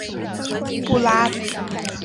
布拉德福德市政厅以其的钟楼地标而着称。